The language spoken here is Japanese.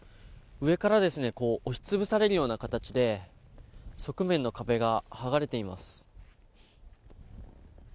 上から押し潰されるような形で側面の壁がはがれています。